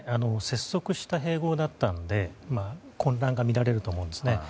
拙速な併合だったので混乱が見られると思うんですね。